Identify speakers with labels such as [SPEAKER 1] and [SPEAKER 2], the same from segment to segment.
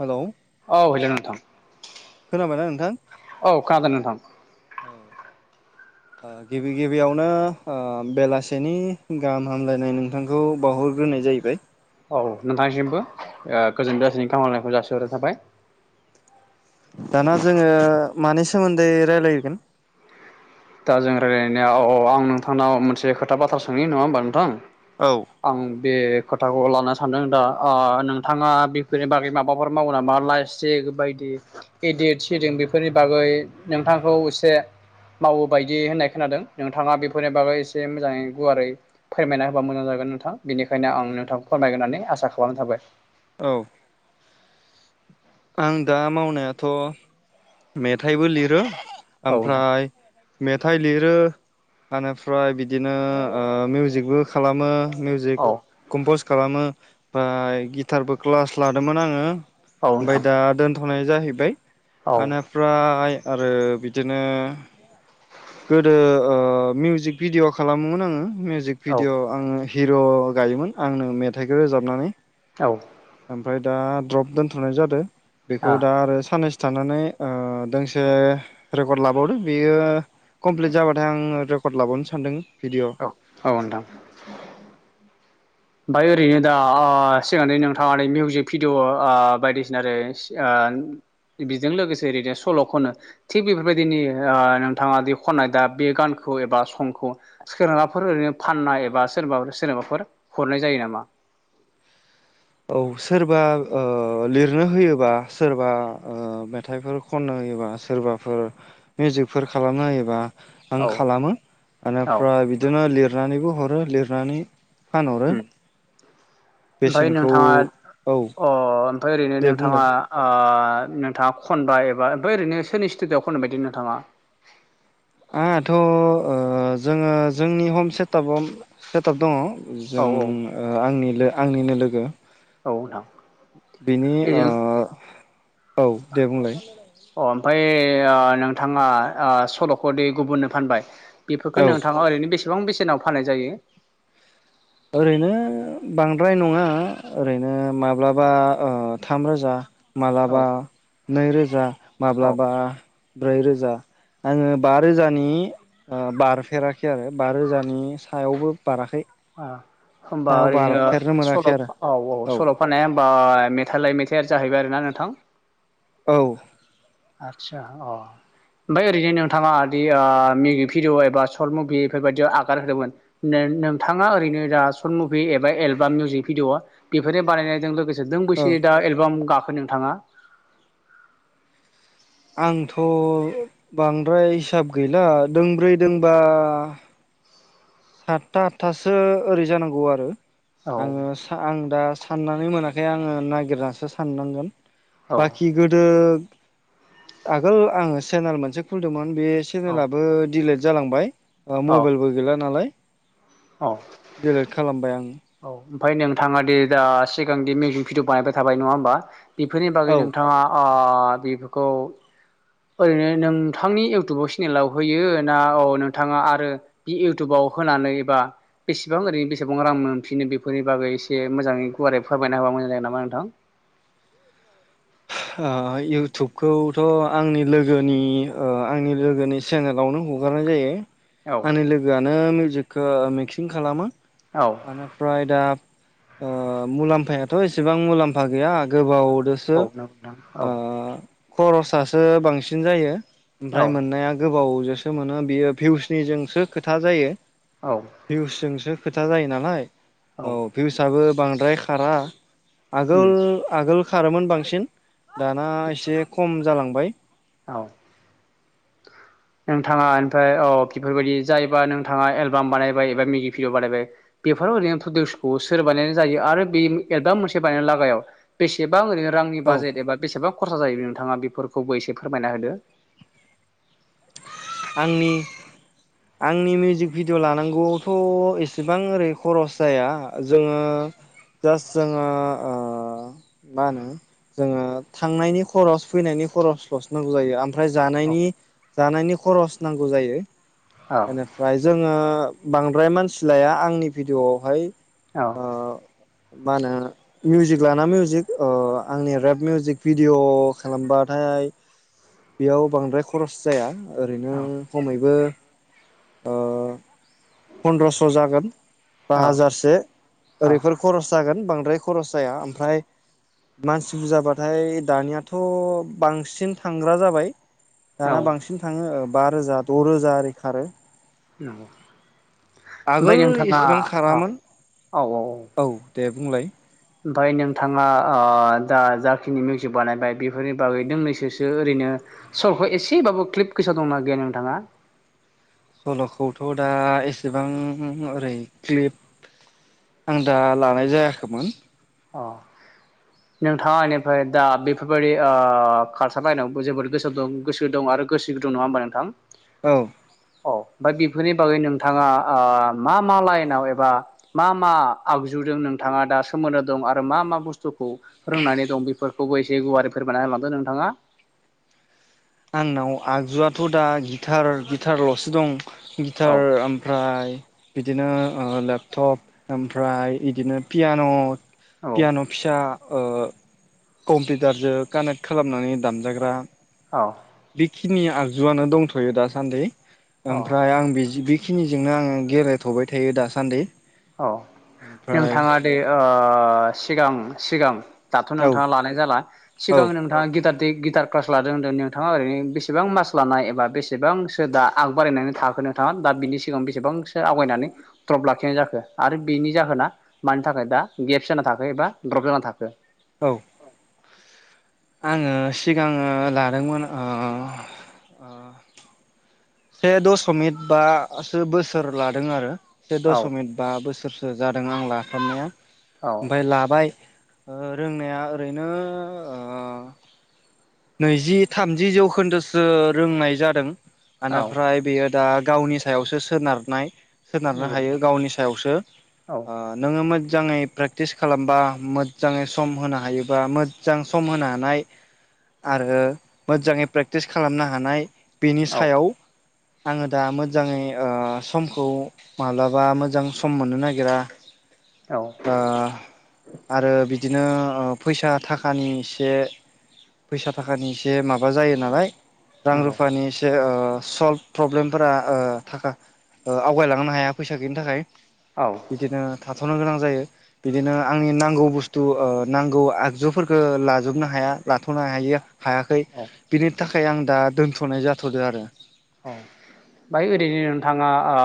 [SPEAKER 1] Hello
[SPEAKER 2] औ hello नोंथां
[SPEAKER 1] खोनाबायना नोंथां
[SPEAKER 2] औ खोनादों नोंथां
[SPEAKER 1] ओ गिबि गिबियावनो ओ बेलासेनि गाहाम हामलायनाय नोंथांखौ बाव बावहरग्रोनाय जाहैबाय
[SPEAKER 2] औ नोंथांसिमबो ओ गोजोन बेलासिनि खावलायनायखौ जासिहरनाय थाबाय
[SPEAKER 1] दाना जोङो मानि सोमोन्दै राय्लायगोन
[SPEAKER 2] दा जों रायज्लायनाया औ आं नोंथांनाव मोनसे खोथा बाथ्रा सोंहयो नङा होमबा नोंथां
[SPEAKER 1] औ
[SPEAKER 2] आं बे खोथाखौ लानो सानदों दा ओ नोंथाङा बेफोरनि बागै माबाफोर मावो नामा लाइस्टक बायदि एदिट सदिद बेफोरनि बागै नोंथांखौ एसे मावो बायदि होननाय खोनादों नोंथाङा बेफोरनि बागै एसे मोजाङै गुवारै फोरमायना होबा मोजां जागोन नोंथां बेनिखायनो आं नोंथांखौ फोरमायगोन होननानै आसा खालामनाय थाबाय
[SPEAKER 1] औ। आं दा मावनायाथ' मेथाइबो लिरो
[SPEAKER 2] थाबाय औ नोंथां
[SPEAKER 1] ओमफ्राय मेथाइ लिरो इनिफ्राय बिदिनो मिउजिकबो खालामो मिउजिक
[SPEAKER 2] औ
[SPEAKER 1] कमपस खालामो ओमफ्राय गिटारबो क्लास लादोंमोन आङो
[SPEAKER 2] औ
[SPEAKER 1] ओमाय
[SPEAKER 2] नोंथां
[SPEAKER 1] दा दोनथ'नाय जाहैबाय
[SPEAKER 2] औ
[SPEAKER 1] आनिफ्राय आरो बिदिनो गोदो ओ मिउजिक भिडिय' खालामोमोन आङो मिउजिक
[SPEAKER 2] औ
[SPEAKER 1] भिडिय' आङो हिर' गायोमोन आंनो मेथाइखौ रोजाबनानै
[SPEAKER 2] औ।
[SPEAKER 1] ओमफ्राय दा द्रप दोनथ'नाय जादों बेखौ
[SPEAKER 2] आ
[SPEAKER 1] दा आरो साननैसो थानानै ओ दोंसे रेकर्ड लाबावदो बेयो कमप्लिट जाबाथाय आं रेकर्ड लाबावनो सानदों भिडिअ
[SPEAKER 2] औ औ नोंथां। ओमफ्राय ओरैनो दा ओ सिगांनि नोंथाङा मिउजिक भिडिय' ओ बायदिसिना आरो [unintelligible] बेजों लोगोसे ओरैनो सल' खनो थिग बेफोरबायदिनि ओ नोंथाङा दि खननाय दा बे गानखौ एबा समखौ सोरबाफोर ओरैनो फाननाय एबा सोरबाफोर सोरबाफोर हरनाय जायो नामा।
[SPEAKER 1] औ सोरबा ओ लिरनो होयोबा सोरबा ओ मेथाइफोर खननो होयोबा सोरबाफोर मिउजिकफोर खालामना होयोबा
[SPEAKER 2] औ
[SPEAKER 1] आं खालामो
[SPEAKER 2] औ
[SPEAKER 1] आनिफ्राय बिदिनो लिरनानैबो हरो लिरनानै फानहरो
[SPEAKER 2] ओमफ्राय
[SPEAKER 1] बेसेनखौ
[SPEAKER 2] नोंथाङा
[SPEAKER 1] औ
[SPEAKER 2] अ ओमफ्राय ओरैनो
[SPEAKER 1] दे
[SPEAKER 2] नोंथाङा
[SPEAKER 1] बुंलाय
[SPEAKER 2] ओ नोंथाङा खनबाय एबा ओमफ्राय ओरैनो सोरनि स्टुडिअआव खननो बायदि नोंथाङा
[SPEAKER 1] आहाथ' ओ जोङो जोंनि हम सेटाब ओम सेटाप दङ
[SPEAKER 2] औ
[SPEAKER 1] जों
[SPEAKER 2] औ
[SPEAKER 1] ओ आंनि लो ओ आंनिनो लोगो
[SPEAKER 2] औ नोंथां
[SPEAKER 1] बिनि ओ
[SPEAKER 2] बेजों
[SPEAKER 1] औ दे बुंलाय
[SPEAKER 2] अ ओमफाय ओ नोंथाङा ओ सल'खौदि गुबुननो फानबाय
[SPEAKER 1] औ
[SPEAKER 2] बेफोरखो नोंथाङा ओरैनो बेसेबां बेसेनाव फाननाय जायो
[SPEAKER 1] ओरैनो बांद्राय नङा ओरैनो माब्लाबा ओ थाम रोजा मालाबा
[SPEAKER 2] औ
[SPEAKER 1] नैरोजा
[SPEAKER 2] औ
[SPEAKER 1] माब्लाबा ब्रैरोजा आङो बा रोजानि ओ बारफेराखै आरो बा रोजानि सायावबो बाराखै
[SPEAKER 2] ओ होमबा
[SPEAKER 1] सायाव
[SPEAKER 2] ओरैनो
[SPEAKER 1] बारफेरनो
[SPEAKER 2] सल'
[SPEAKER 1] मोनाखै आरो
[SPEAKER 2] औ औ सल' फाननाया होनबा मेथाइ लाय मेथाइआ जाहैबाय आरो ना नोंथां
[SPEAKER 1] औ
[SPEAKER 2] आतसा अ ओमपाय ओरै जे नोंथाङा दि ओ मिउजिक भिडिअ एबा सर्ट मुभिफोरबादियाव आगार होदोंमोन नो नोंथाङा ओरैनो दा शर्ट मुभि एबा एलबाम मिउजिक भिडिअ बेफोरनो बानायनायजों लोगो से दों
[SPEAKER 1] औ
[SPEAKER 2] बैसे दा एलबाम गाखो नोंथाङा
[SPEAKER 1] आंथ' बांद्राय हिसाब गैला दोंब्रै दोंबा सातता आठथासो ओरै जानांगौ आरो
[SPEAKER 2] औ
[SPEAKER 1] आङो सा आं दा साननानै मोनाखै आङो नागिरनासो साननांगोन
[SPEAKER 2] औ
[SPEAKER 1] बाखि गोदो आगोल आङो चेनेल मोनसे खुलिदोंमोन बे
[SPEAKER 2] औ
[SPEAKER 1] चेनेेलाबो डिलेट जालांबाय ओ
[SPEAKER 2] औ
[SPEAKER 1] मबेलबो गैला नालाय
[SPEAKER 2] औ
[SPEAKER 1] डिलेट खालामबाय आं
[SPEAKER 2] औ ओमफाय नोंथाङा दि दा सिगांदि मिउजिक भिडिअ बानायबाय थाबाय नवा होमबा बिफोरनि बागै
[SPEAKER 1] औ
[SPEAKER 2] नोंथाङा ओ बेफोरखौ ओरैनो नोंथांनि इउटुब चेनेलाव होयो ना औ नोंथाङा आरो बि इउटुबाव होनानै एबा बेसेबां ओरैनो बेसेबां रां मोनफिनो बेफोरनि बागै एसे मोजाङै गुवारै फोरमायना हाबा [unintelligible] नोंथां
[SPEAKER 1] [inaudible] ओ इउटुबखौथ' आंनि लोगोनि ओ आंनि लोगोनि सेनेलावनो हगारनाय जायो आंनि
[SPEAKER 2] औ
[SPEAKER 1] लोगोआनो मिउजिकखो मिक्सिं खालामो
[SPEAKER 2] औ
[SPEAKER 1] बानिफ्राय दा ओ मुलाम्फायाथ' एसेबां मुलाम्फा गैया गोबावदोसो
[SPEAKER 2] ओं
[SPEAKER 1] ओ
[SPEAKER 2] औ
[SPEAKER 1] खर'सासो बांसिन जायो ओमफ्राय
[SPEAKER 2] औ
[SPEAKER 1] मोननाया गोबाव जोसो मोनो बियो भिउसनिजोंसो खोथा जायो भिउसजोंसो खोथा जायो नालाय औ भिउसआबो बांद्राय खारा
[SPEAKER 2] उम
[SPEAKER 1] आगोल-आगोल खारोमोन बांसिन दाना
[SPEAKER 2] आदसा
[SPEAKER 1] एसे खम जालांबाय
[SPEAKER 2] औ
[SPEAKER 1] [inaudible]
[SPEAKER 2] नोंथाङा ओमफ्राय औ बिफोरबायदि जायोबा नोंथाङा एलबाम बानायबायोबा [unintelligible] [unintelligible] सोर बानायनानै जायो आरो बे एलबाम मोनसे बानायनाय लागायाव बेसे बां ओरैनो रांनि
[SPEAKER 1] औ
[SPEAKER 2] बाजेट एबा बेसेबां खरसा जायो नोंथाङा बेफोरखौबो एसे फोरमायना होदो
[SPEAKER 1] आंनि आंनि मिउजिक भिडिअ' लानांगौआवथ' एसेबां ओरै खरस जाया जोङो जास्ट जोङो ओ मा होनो जोङो थांनायनि खरस फैनायनि खरसल'सो नांगौ जायो ओमफ्राय
[SPEAKER 2] औ
[SPEAKER 1] जानायनि जानायनि खरस नांगौ जायो
[SPEAKER 2] औ
[SPEAKER 1] बेनिफ्राय जोङो बांद्राय मानसि लाया आंनि भिडिअआवहाय
[SPEAKER 2] औ
[SPEAKER 1] ओ मा होनो मिउजिक लाना मिउजिक आंनि रेप मिउजिक भिडिअ' खालामबाथाय बेयाव बांद्राय खरस जाया ओरैनो खमैबो ओ फन्द्रस जागोन बा हाजारसे
[SPEAKER 2] औ
[SPEAKER 1] ओरैफोर खरस जागोन बांद्राय बांद्राय खरस जाया ओमफ्राय मानसि बुरजाबाथाय दानियाथ बांसिन थांग्रा जाबाय
[SPEAKER 2] औ
[SPEAKER 1] दाना बांसिन थाङो बा रोजा द रोजा ओरै खारो
[SPEAKER 2] नोंगौ
[SPEAKER 1] आगोल इसिबां
[SPEAKER 2] औ
[SPEAKER 1] खारामोन औ दे बुंलाय
[SPEAKER 2] ओमफाय नोंथाङा ओ दा जाखिनि मिउजिक बानायबाय बेफोरनि बागै दोंनैसोसो ओरैनो सरखौ एसेबाबो क्लिप गोसा दंना गैया नोंथाङा
[SPEAKER 1] सलखौथ दा एसेबां ओरै क्लिप आं दा लानाय जायाखैमोन
[SPEAKER 2] अ
[SPEAKER 1] [inaudible]
[SPEAKER 2] नोंथाङा एनिफ्राय दा बेफोरबायदि ओ खारसा बायनायावबो जोबोद गोसो दं गोसो दं आरो गोसो दं नङाहोमबा नोंथां
[SPEAKER 1] औ
[SPEAKER 2] औ ओमफ्राय बेफोरनि बागै नोंथाङा ओ मा मा लाइनाव एबा मा मा आगजु बेफोरदों नोंथाङा दा सोमोन्दो दं आरो मा मा बुस्थुखौ रोंनानै दं बे खौबो एसे गुवारै फोरमायना होलांदो नोंथाङा
[SPEAKER 1] आंनाव आगजुआथ दा गिटार गिटारल'सो दं
[SPEAKER 2] औ
[SPEAKER 1] गिटार ओमफ्राय बिदिनो लेपटप ओमफ्राय बिदिनो पियान'
[SPEAKER 2] औ
[SPEAKER 1] पियान' फिसा ओ कम्पिउटारजों कानेक्ट खालामनानै दामजाग्रा
[SPEAKER 2] औ
[SPEAKER 1] खिनि आगजुआनो दंथयो दासान्दि ओमफ्राय
[SPEAKER 2] औ
[SPEAKER 1] आं [unintelligible] बेखिनिजोंनो आङो गेलेथबाय थायो दासान्दि
[SPEAKER 2] औ
[SPEAKER 1] ओमफ्राय
[SPEAKER 2] नोंथाङा दे ओ सिगां सिगां दाथ
[SPEAKER 1] औ
[SPEAKER 2] नोंथाङा लानाय जाला
[SPEAKER 1] औ
[SPEAKER 2] सिगां नोंथाङा गिटार गिटार क्लास लादों होनदों नोंथाङा ओरैनो बेसेबां मास लानाय एबा बेसेबांसोदा आग बारायनायनि थाखाय थाखो नोंथाङा दा बिनि सिगां बेसेबांसो आवगायनानै द्रप लाखिनाय जाखो आरो बेनि जाहोना मानि थाखाय दा गेप्स जाना थाखो एबा द्रप जाना थाखो
[SPEAKER 1] औ आङो सिगाङो लादोंमोन ओ से दसमित बासो बोसोर लादों आरो से
[SPEAKER 2] औ
[SPEAKER 1] दसमित बा बोसोरसो थु जादों आं लाखनाया
[SPEAKER 2] औ
[SPEAKER 1] ओमफ्राय लाबाय रोंनाया ओरैनो ओ नैजि थामजि जौखोन्दोसो रोंनाय जादों
[SPEAKER 2] औ
[SPEAKER 1] ओनिफ्राय बेयो दा गावनि सायावसो सोनारनाय सोनारनो
[SPEAKER 2] नंगौ
[SPEAKER 1] हायो
[SPEAKER 2] नोंथां
[SPEAKER 1] गावनि सायावसो
[SPEAKER 2] औ
[SPEAKER 1] ओ नोङो मोजाङै प्रेक्टिस खालामबा मोजाङै सम होनो हायोबा मोजां सम होनो हानाय आरो मोजाङै प्रेक्टिस खालामनो हानाय बेनि सायाव
[SPEAKER 2] औ
[SPEAKER 1] आंङो दा मोजाङै समखौ माब्लाबा मोजां सम मोननो नागिरा
[SPEAKER 2] औ
[SPEAKER 1] ओ आरो बिदिनो फैसा थाखानि एसे फैसा थाखानि एसे माबा जायो नालाय रां
[SPEAKER 2] नंगौ
[SPEAKER 1] रुफानि एसे ओ सल्भ प्रब्लेमफोरा ओ थाखा ओ आवगायलांनो हाया फैसा गैयिनि थाखाय
[SPEAKER 2] औ
[SPEAKER 1] बिदिनो था थ'नो गोनां जायो बिदिनो आंनि नांगौ बुस्थु ओ नांगौ आगजुफोरखौ लाजोबनो हाया लाथ' हायि हायाखै
[SPEAKER 2] औ
[SPEAKER 1] बिनि थाखाय आं दा दोन्थ'नाय जाथ'दो आरो
[SPEAKER 2] औ ओमफ्राय ओरैनो नोंथाङा ओ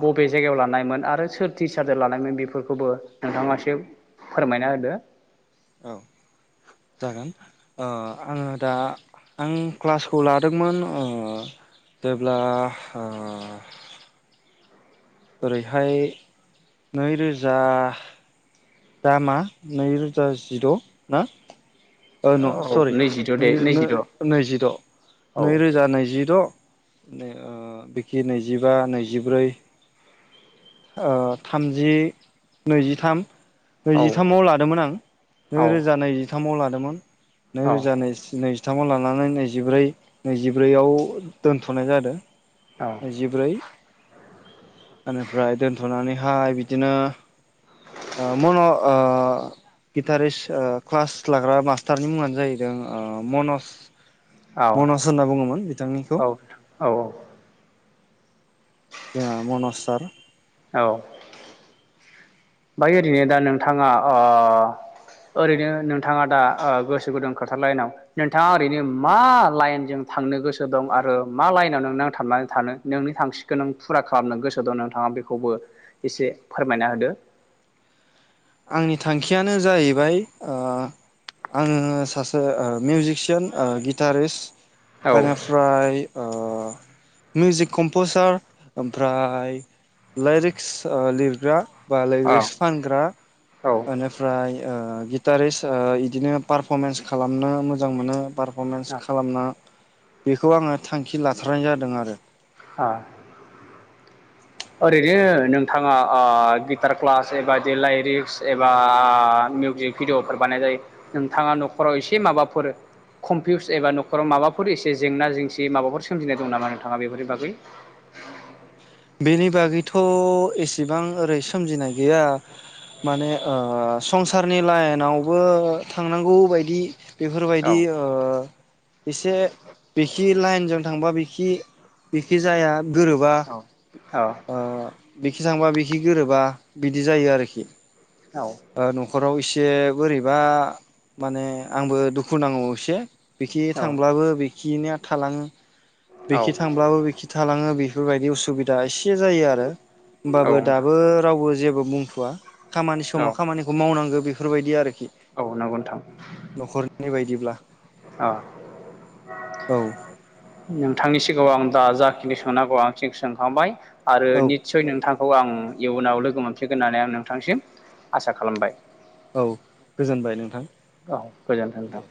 [SPEAKER 2] बबे जायगायाव लानायमोन आरो सोर टिचारजों लानायमोन बेफोरखौबो नोंथाङा एसे फोरमायना होदो
[SPEAKER 1] औ जागोन ओ आंङो दा आं क्लासखौ लादोंमोन ओ जेब्ला ओ ओरैहाय नैरोजा दामा नैरोजा जिद' ना न'
[SPEAKER 2] औ
[SPEAKER 1] सरि
[SPEAKER 2] नैजिद' दे
[SPEAKER 1] नै
[SPEAKER 2] नैजिद'
[SPEAKER 1] नैजिद'
[SPEAKER 2] औ
[SPEAKER 1] नैरोजा नैजिद' ओमफ्राय ओ बिखि नैजिबा नैजिब्रै ओ थामजि नैजिथाम
[SPEAKER 2] औ
[SPEAKER 1] नैजिथामाव लादोंमोन आं
[SPEAKER 2] औ
[SPEAKER 1] नैरोजा नैजिथामाव लादोंमोन।
[SPEAKER 2] औ
[SPEAKER 1] नैरोजा नैजि नैजि जिथामाव लानानै नैजिब्रै नैजिब्रैआव दोनथ'नाय जादो। नैजिब्रै मा हो ओमफ्राय दोनथ'नानैहाय बिदिनो ओ मन' ओ गिटारिस क्लास लाग्रा मास्टारनि मुंङानो जाहैदों मनज
[SPEAKER 2] औ
[SPEAKER 1] मनज
[SPEAKER 2] औ
[SPEAKER 1] होनना बुङोमोन बिथांनिखौ जोंहा मनज सार
[SPEAKER 2] औ बाय ओरैनो दा नोंथाङा ओ ओरैनो नोंथाङा दा ओ गोसो गुदुं खोथार लाइनाव नोंथाङा ओरैनो मा लाइनजों थांनो गोसो दं आरो मा लाइनाव नोंं थांनानै थानो नोंनि थांखिखौ नों फुरा खालामनो गोसो दं नोंथाङा बेखौबो एसे फोरमायना होदो।
[SPEAKER 1] आंनि थांखियानो जाहैबाय ओ आंङो सासे मिउजिसियान गिटारिस्ट
[SPEAKER 2] औ
[SPEAKER 1] बेनिफ्राय ओ मिउजिक कम्पसार ओमफ्राय लिरिक्स ओ लिरग्रा। बा
[SPEAKER 2] औ
[SPEAKER 1] लिरिक्स फानग्रा
[SPEAKER 2] औ ओ
[SPEAKER 1] एनिफ्राय ओ गिटारेस आ इदिनो पारफरमेन्स खालामना मोजां मोनो पार फरमेन्स खालामना बेखौ आंङो थांखि लाथारनाय जादों आरो।
[SPEAKER 2] आ ओरैनो नोंथाङा ओ गिटार क्लास एबा लाइरिक्स एबा आ मिउजिक भिडिअफोर बानायनाय नोंथाङा न'खराव एसे माबाफोर कमफिउस एबा न'खराव माबाफोर एसे जेंना जेंसि माबाफोर सोमजिनाय दं नामा नोंथाङा बेफोरनि बागै
[SPEAKER 1] बेनि बागैथ' एसेबां ओरै सोमजिनाय गैया। माने ओ संसारनि लाइनावबो थांनांगौ बायदि बेफोरबायदि
[SPEAKER 2] औ
[SPEAKER 1] ओ इसे बिखि लाइनजों थांबा बिखि बेखि जाया गोरोबा
[SPEAKER 2] औ औ
[SPEAKER 1] ओ बि बिखि थांबा बिखि गोरोबा बिदि जायो आरोखि ओ न'खराव इसे से बोरैबा माने आंबो दुखु नांङो एसे बिखि
[SPEAKER 2] औ
[SPEAKER 1] थांब्लाबो बि खिनिया थालाङो
[SPEAKER 2] औ
[SPEAKER 1] बेखि थांब्लाबो बेखि थालाङो बेफोरबायदि उसुबिदा एसे से जायो आरो
[SPEAKER 2] औ
[SPEAKER 1] होमबाबो
[SPEAKER 2] नोंथां
[SPEAKER 1] दाबो रावबो जेबो बुंथ'वा खामानि समाव
[SPEAKER 2] औ
[SPEAKER 1] खामानिखौ मावनांगौ बेफोरबायदि आरो
[SPEAKER 2] औ नंगौ नोंथां
[SPEAKER 1] न'खरनि बायदिब्ला
[SPEAKER 2] औ
[SPEAKER 1] औ
[SPEAKER 2] नोंथां नोंथांनि सिगाङाव आं दा जाखिनि सोंनांगौ आंनिखौ सोंखांबाय आरो
[SPEAKER 1] औ
[SPEAKER 2] नितसय नोंथां खौ आं इयुनाव लोगो मोनफिनगोन होननानै आं नोंथांसिम आसा खालामबाय
[SPEAKER 1] औ गोजोनबाय नोंथां
[SPEAKER 2] औ गोजोन्थों
[SPEAKER 1] दे
[SPEAKER 2] नोंथां